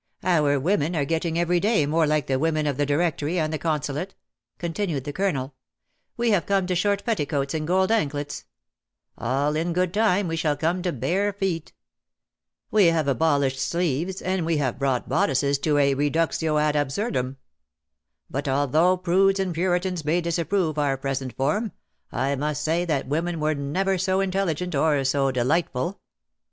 " Our women are getting every day more like the women of the Directory, and the Consulate, " con 195 tinned the Colonel. ''We have come to short petti coats and gold anklets. All in good time we shall come to bare feet. We have abolished sleeves, and we have brought bodices to a reductio ad absurdum ; but, although prudes and puritans may disapprove our present form, I. must say that women were never so intelligent or so delightful.